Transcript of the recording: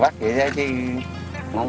cũng như là